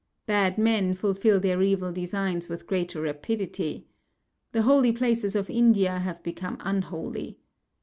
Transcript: Bad men fulfil their evil designs with greater rapidity. The holy places of India have become unholy.